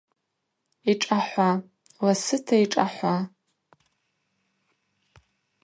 Йшӏахӏва, ласыта йшӏахӏва!